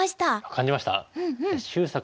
感じました？